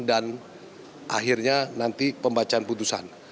dan akhirnya nanti pembacaan putusan